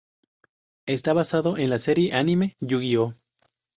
Está basado en la serie anime "Yu-Gi-Oh!